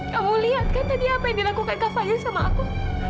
kamu lihat kan tadi apa yang dilakukan kakaknya sama aku